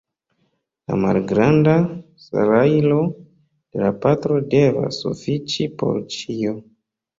La malgranda salajro de la patro devas sufiĉi por ĉio.